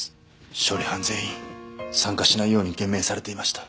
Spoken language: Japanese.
処理班全員参加しないように厳命されていました。